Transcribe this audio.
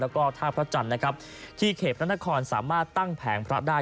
และก็ท่าพระจันทร์ที่เข็บพระนครสามารถตั้งแผงพระได้